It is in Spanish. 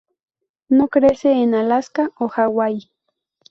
No crece en Alaska o Hawai.